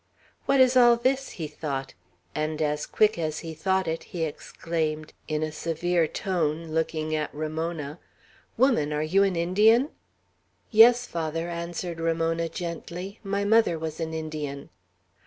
"What is all this!" he thought; and as quick as he thought it, he exclaimed, in a severe tone, looking at Ramona, "Woman, are you an Indian?" "Yes, Father," answered Ramona, gently. "My mother was an Indian."